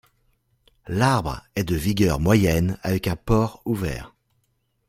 L’arbre est de vigueur moyenne avec un port ouvert.